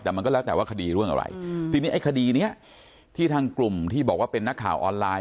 แต่มันก็แล้วแต่ว่าคดีเรื่องอะไรทีนี้ไอ้คดีเนี้ยที่ทางกลุ่มที่บอกว่าเป็นนักข่าวออนไลน